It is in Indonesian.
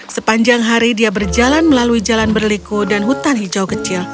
sepanjang hari dia berjalan melalui jalan berliku dan hutan hijau kecil